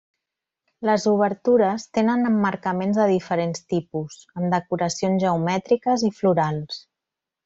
Les obertures tenen emmarcaments de diferents tipus, amb decoracions geomètriques i florals.